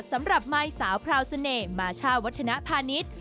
สำหรับมายสาวพราวเสน่ห์มาช่าวัฒนภานิษย์